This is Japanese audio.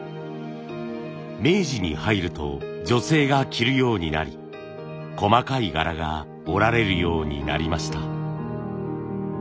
明治に入ると女性が着るようになり細かい柄が織られるようになりました。